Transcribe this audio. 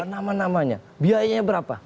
nama namanya biayanya berapa